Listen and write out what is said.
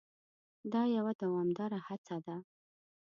دا یوه دوامداره هڅه ده.